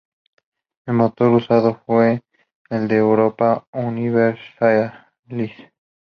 El motor usado fue el de "Europa Universalis".